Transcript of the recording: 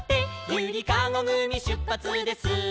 「ゆりかごぐみしゅっぱつです」